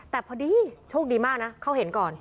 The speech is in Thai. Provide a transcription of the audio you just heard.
แต่พอดีโชคดีมากนะเขาเห็นก่อน